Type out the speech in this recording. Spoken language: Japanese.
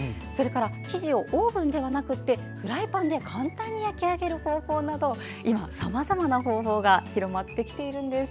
生地をオーブンではなくフライパンで簡単に焼き上げる方法など今、さまざまな方法が広まってきているんです。